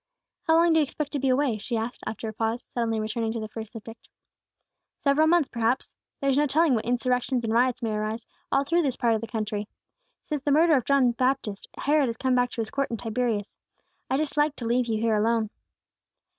"How long do you expect to be away?" she asked, after a pause, suddenly returning to the first subject. "Several months, perhaps. There is no telling what insurrections and riots may arise, all through this part of the country. Since the murder of John Baptist, Herod has come back to his court in Tiberias. I dislike to leave you here alone."